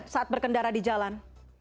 saat berkendara di jalan